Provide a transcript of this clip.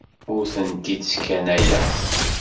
Ur tent-id-sskanayeɣ.